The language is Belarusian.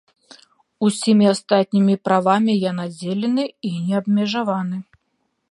Усімі астатнімі правамі я надзелены і неабмежаваны.